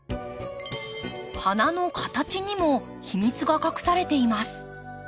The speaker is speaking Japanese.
花の形にも秘密が隠されています。